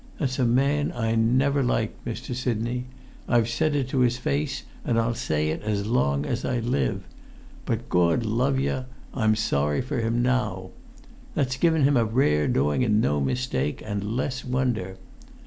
That's a man I never liked, Mr. Sidney. I've said it to his face, and I'll say it as long as I live; but, Gord love yer, I'm sorry for him now! That's given him a rare doing and no mistake, and less wonder.